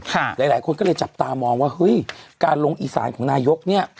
หลายคนก็เลยจับตามองว่าเฮ้ยการลงอีสานของนายกเนี่ย